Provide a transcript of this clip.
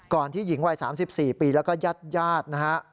ก่อนที่หญิงวัย๓๔ปีแล้วก็ยาดนะฮะ